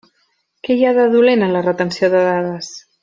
Què hi ha de dolent en la retenció de dades?